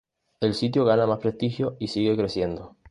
El sitio gana más prestigio y sigue creciendo.